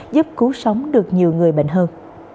giúp cứu sống được nhiều người bệnh hơn